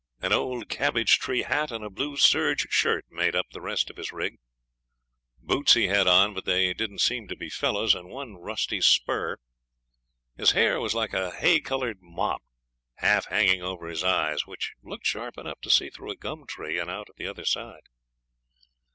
An old cabbage tree hat and a blue serge shirt made up the rest of his rig. Boots he had on, but they didn't seem to be fellows, and one rusty spur. His hair was like a hay coloured mop, half hanging over his eyes, which looked sharp enough to see through a gum tree and out at the other side.